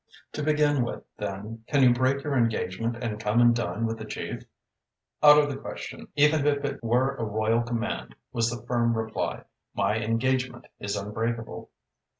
"To begin with, then, can you break your engagement and come and dine with the Chief?" "Out of the question, even if it were a royal command," was the firm reply. "My engagement is unbreakable."